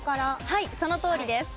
はいそのとおりです。